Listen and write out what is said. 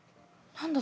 何だ？